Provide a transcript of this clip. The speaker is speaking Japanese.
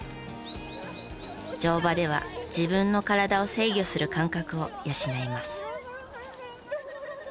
乗馬では自分の体を制御する感覚を養います。